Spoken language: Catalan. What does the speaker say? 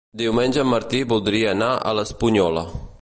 Diumenge en Martí voldria anar a l'Espunyola.